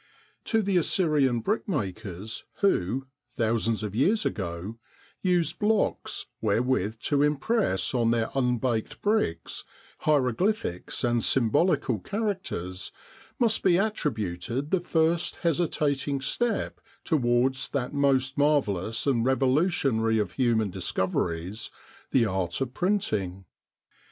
To the Assyrian brickmakers who, thousands of years ago, used blocks wherewith to impress on their unbaked bricks hieroglyphics and symbolical characters, must be attributed the first hesitating step towards that most marvellous and revolutionary of human discoveries the art of printing.